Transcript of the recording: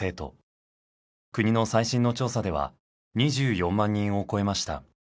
国の最新の調査では２４万人を超えました。